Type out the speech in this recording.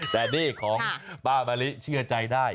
แต่นี่ของป้ามะลิเชื่อใจได้